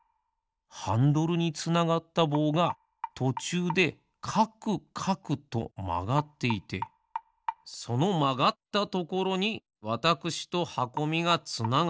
ハンドルにつながったぼうがとちゅうでかくかくとまがっていてそのまがったところにわたくしとはこみがつながっている。